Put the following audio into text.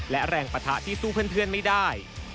และแรงปะทะที่สู้เพื่อนไม่ได้